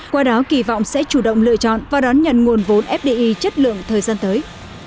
qua đó kỳ vọng sẽ chủ động lựa chọn và đón nhận nguồn vốn fdi chất lượng thời gian tới